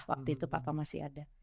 waktu itu papa masih ada